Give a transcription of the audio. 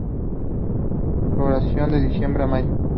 Floración de diciembre a mayo.